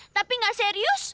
tapi gak serius